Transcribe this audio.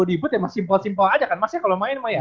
dibut ya mas simple simple aja kan mas ya kalo main